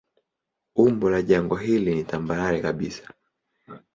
Umbo la jangwa hili ni tambarare kabisa.